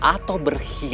atau berpikir pikir saya